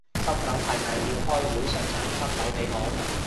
心諗係咪要開會送層新樓畀我